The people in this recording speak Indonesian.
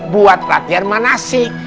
buat latihan manasik